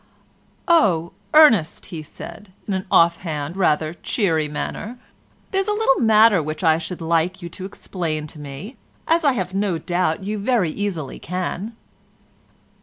"Oh, Ernest," said he, in an off hand, rather cheery manner, "there's a little matter which I should like you to explain to me, as I have no doubt you very easily can."